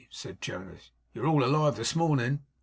said Jonas. 'You're all alive this morning.